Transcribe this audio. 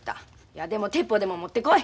矢でも鉄砲でも持ってこい！